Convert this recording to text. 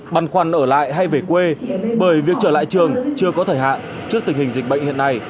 băn khoăn ở lại hay về quê bởi việc trở lại trường chưa có thời hạn trước tình hình dịch bệnh hiện nay